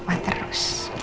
gak apa apa terus